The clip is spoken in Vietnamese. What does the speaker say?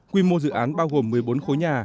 quy mô dự án bao gồm một mươi bốn khối nhà